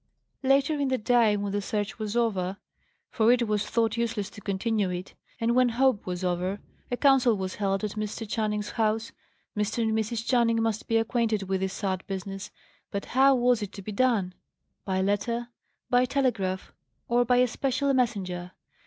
Later in the day, when the search was over for it was thought useless to continue it and when hope was over, a council was held at Mr. Channing's house. Mr. and Mrs. Channing must be acquainted with this sad business; but how was it to be done? By letter? by telegraph? or by a special messenger?